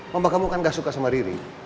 mama kamu kan gak suka sama riri